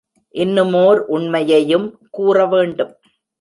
இன்னுமோர் உண்மையையும் கூறவேண்டும்.